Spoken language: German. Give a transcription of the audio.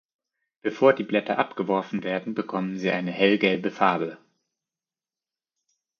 Bevor die Blätter abgeworfen werden bekommen sie eine hellgelbe Farbe.